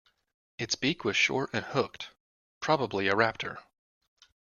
Its beak was short and hooked – probably a raptor.